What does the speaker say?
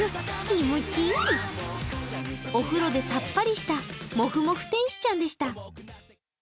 お風呂でさっぱりしたもふもふ天使ちゃんでした。